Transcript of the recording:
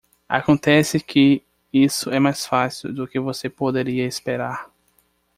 Acontece que isso é mais fácil do que você poderia esperar.